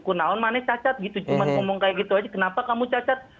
kunaon mana cacat gitu cuma ngomong kayak gitu aja kenapa kamu cacat